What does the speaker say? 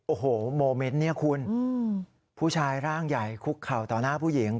โอ้โหโมเมนต์เนี่ยคุณผู้ชายร่างใหญ่คุกเข่าต่อหน้าผู้หญิง